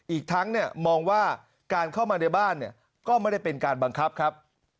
อีกทั้งมองว่าการเข้ามาในบ้านก็ไม่ได้เป็นการบังคับครับ